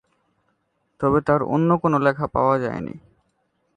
তবে তার অন্য কোনো লেখা পাওয়া যায়নি।